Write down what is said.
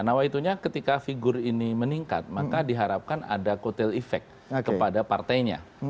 nawaitunya ketika figure ini meningkat maka diharapkan ada kutil efek kepada partainya